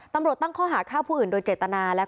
ตำรวจตั้งข้อหาฆ่าผู้อื่นโดยเจตนา